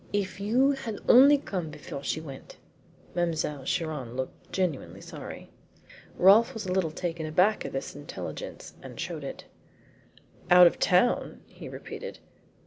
If you had only come before she went" Mademoiselle Chiron looked genuinely sorry. Rolfe was a little taken aback at this intelligence, and showed it. "Out of town!" he repeated.